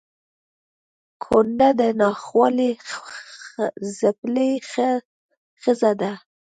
کونډه د ناخوالو ځپلې ښځه ده